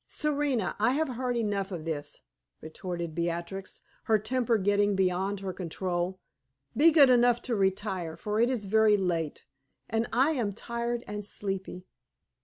"Serena, I have heard enough of this," retorted Beatrix, her temper getting beyond her control. "Be good enough to retire; for it is very late, and I am tired and sleepy."